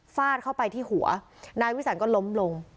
ฟาดเข้าไปที่หัวนายวิสันก็ล้มลง